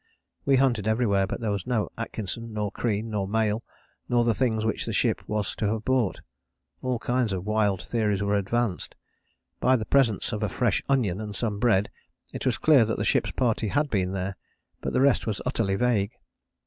We hunted everywhere, but there was no Atkinson nor Crean, nor mail, nor the things which the ship was to have brought. All kinds of wild theories were advanced. By the presence of a fresh onion and some bread it was clear that the ship's party had been there, but the rest was utterly vague.